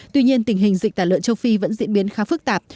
tuy nhiên tình hình dịch tả lợn châu phi vẫn diễn biến khá phức tạp